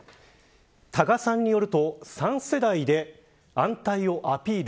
多賀さんによると３世代で安泰をアピール。